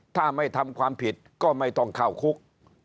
ถ้าไม่ทำความผิดก็ไม่ต้องเข้าคุก